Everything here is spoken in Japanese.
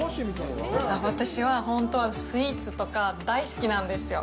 私は、本当はスイーツとか大好きなんですよ。